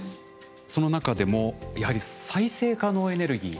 その中でもやはり再生可能エネルギー